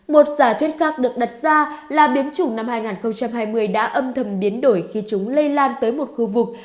một giả thuyết khác được đặt ra là biến chủng năm hai nghìn hai mươi đã âm thầm biến đổi khi chúng lây lan tới một khu vực